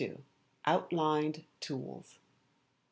Outlined Tools.